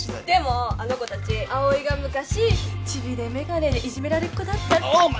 でもあの子たち葵が昔チビで眼鏡でいじめられっ子だったって。